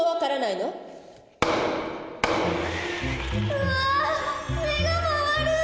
うわ目が回る。